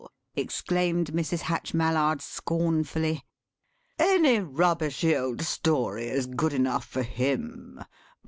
exclaimed Mrs. Hatch Mallard scornfully; "any rubbishy old story is good enough for him.